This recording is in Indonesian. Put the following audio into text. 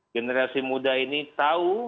generasi muda ini tahu